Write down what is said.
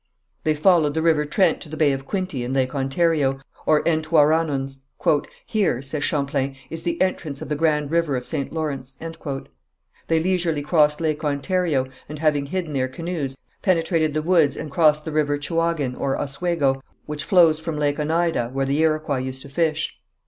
They followed the river Trent to the Bay of Quinté in Lake Ontario or Entouaronons. "Here," says Champlain, "is the entrance of the grand river of St. Lawrence." They leisurely crossed Lake Ontario, and, having hidden their canoes, penetrated the woods and crossed the river Chouagen or Oswego, which flows from Lake Oneida where the Iroquois used to fish.